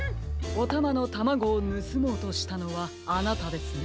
おたまのタマゴをぬすもうとしたのはあなたですね。